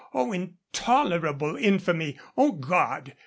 O intolerable infamy! O God!